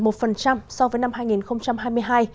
giảm một mươi một so với năm hai nghìn hai mươi hai